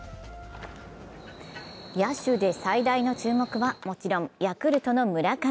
野手で最大の注目はもちろんヤクルトの村上。